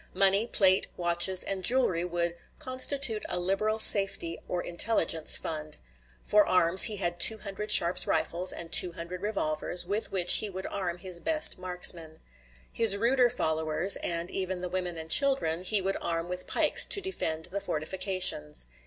Money, plate, watches, and jewelry would "constitute a liberal safety or intelligence fund." For arms, he had 200 Sharps rifles, and 200 revolvers, with which he would arm his best marksmen. His ruder followers, and even the women and children, he would arm with pikes to defend the fortifications.